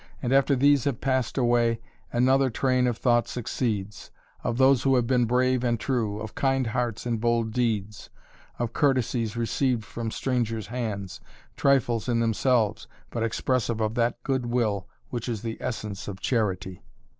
And after these have passed away, another train of thought succeeds, of those who have been brave and true, of kind hearts and bold deeds, of courtesies received from strangers' hands, trifles in themselves but expressive of that good will which is the essence of charity."